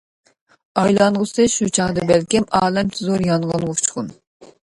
ئايلانغۇسى شۇ چاغدا بەلكىم، ئالەمچە زور يانغىنغا ئۇچقۇن.